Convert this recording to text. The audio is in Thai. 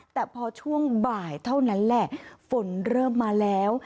แต่พอช่วงบ่ายเท่านั้นแหละฝนเริ่มมาแล้ว